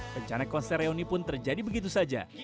bencana konser ini pun terjadi begitu saja